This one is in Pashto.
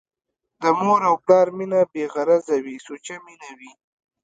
د مور او پلار مينه بې غرضه وي ، سوچه مينه وي